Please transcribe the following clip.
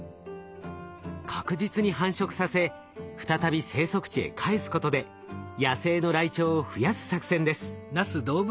確実に繁殖させ再び生息地へ返すことで野生のライチョウを増やす作戦です。